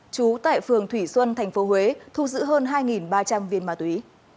trú tại phường thủy xuân tp huế thu giữ hơn hai ba trăm linh viên ma túy